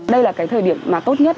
đây là thời điểm tốt nhất